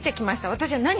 「私は何！？